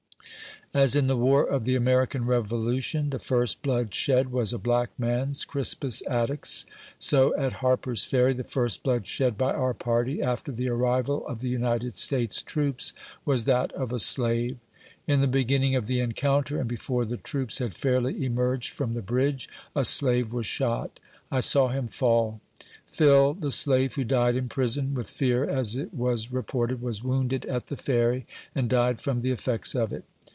As in the war of the American Kevolution, the first blood shed was a black man's, Crispus Attuck's, so at Harper's Ferry, the first blood shed by our party, after the arrival of the United States troops, was that of a slave. In the begin ning of the encounter, and before the troops had fairly emerged from the bridge, a slave was shot. I saw him fall. Phil, the slave who died in prison, with fear, as it was report ed, was wounded at the Ferry, and died from the effects of it.